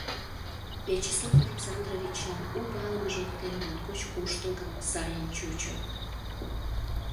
Вячеслав Александровичлан у палымыж воктен моткоч куштылгын, сайын чучо.